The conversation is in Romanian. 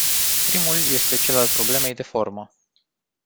Primul este cel al problemei de formă.